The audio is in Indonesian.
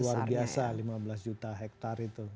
luar biasa lima belas juta hektare itu